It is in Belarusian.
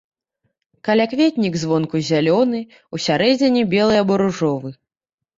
Калякветнік звонку зялёны, усярэдзіне белы або ружовы.